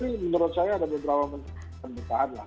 tapi menurut saya ada beberapa menteri yang bertahan lah